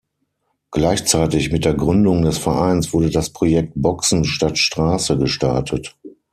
Gleichzeitig mit der Gründung des Vereins wurde das Projekt „Boxen statt Straße“ gestartet.